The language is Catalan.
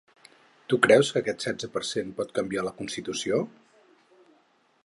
Tu creus que aquest setze per cent pot canviar la constitució?